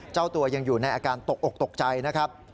เจ้าตัวยังอยู่ในอาการตกอกตกใจนะครับ